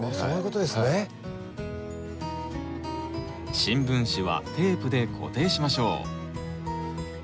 新聞紙はテープで固定しましょう。